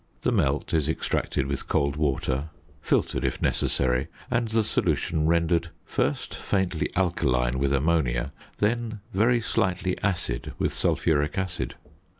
The "melt" is extracted with cold water, filtered if necessary, and the solution rendered first faintly alkaline with ammonia, then very slightly acid with sulphuric acid.